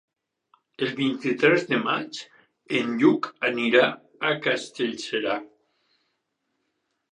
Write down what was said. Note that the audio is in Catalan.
El vint-i-tres de maig en Lluc anirà a Castellserà.